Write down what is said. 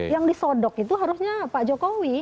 yang disodok itu harusnya pak jokowi